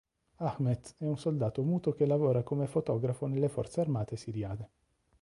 Ahmet è un soldato muto che lavora come fotografo nelle forze armate siriane.